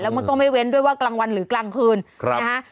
มันก็ไม่เว้นด้วยว่ากลางวันหรือกลางคืนนะฮะ